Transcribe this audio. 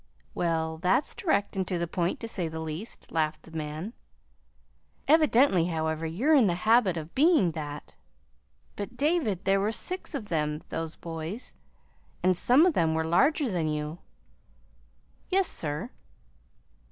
"Well, that's direct and to the point, to say the least," laughed the man. "Evidently, however, you're in the habit of being that. But, David, there were six of them, those boys, and some of them were larger than you." "Yes, sir."